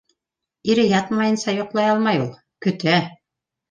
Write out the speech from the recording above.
Ире ятмайынса йоҡламай ул. Көтә.